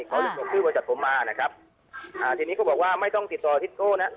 บอกชื่อบริษัทผมมานะครับอ่าทีนี้เขาบอกว่าไม่ต้องติดต่อทิศโก้นะ